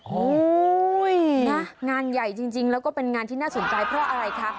โอ้โหนะงานใหญ่จริงแล้วก็เป็นงานที่น่าสนใจเพราะอะไรคะ